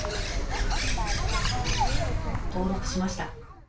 ☎登録しました！